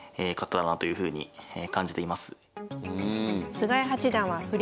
菅井八段は振り